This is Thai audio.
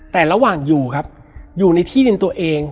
แต่ระหว่างอยู่ครับอยู่ในที่ดินตัวเอง